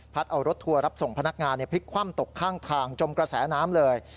เอารถทัวร์รับส่งพนักงานพลิกคว่ำตกข้างทางจมกระแสน้ำเลย